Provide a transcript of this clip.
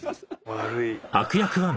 悪い。